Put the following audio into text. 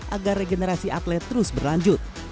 agar regenerasi atlet terus berlanjut